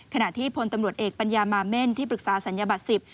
ขณะที่พลตำรวจเอกปัญญามาเม่นที่ปรึกษาศัลยบัตร๑๐